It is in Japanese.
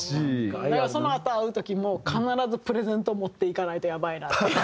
だからそのあと会う時も必ずプレゼント持っていかないとやばいなっていう。